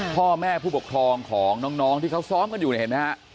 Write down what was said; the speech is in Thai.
พ่อแม่ผู้ปกครองของน้องที่เขาซ้อมกันอยู่เนี่ยเห็นไหมฮะ